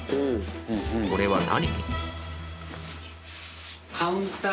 これは何？